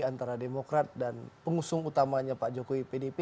antara demokrat dan pengusung utamanya pak jokowi pdp